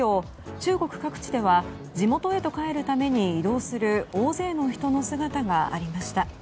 中国各地では地元へと帰るために移動する大勢の人の姿がありました。